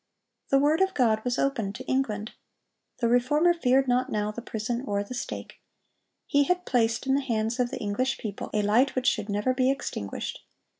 The word of God was opened to England. The Reformer feared not now the prison or the stake. He had placed in the hands of the English people a light which should never be extinguished.